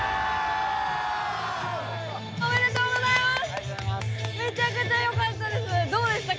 ありがとうございます。